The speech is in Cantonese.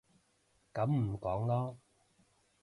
噉唔講囉